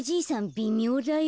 びみょうだよ。